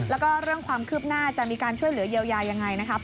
แล้วก็เรื่องความคืบหน้าจะมีการช่วยเหลือเยียวยายังไงนะครับ